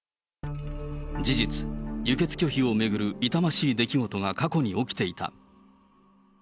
事実、輸血拒否を巡る痛ましい出来事が過去に起きていた。